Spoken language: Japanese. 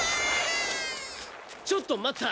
ちょっと待った。